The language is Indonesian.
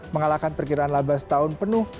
mengalahkan perkiraan laba setahun penuh